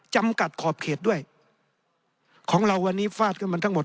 จำกัดขอบเขตด้วยของเราวันนี้ฟาดขึ้นมาทั้งหมด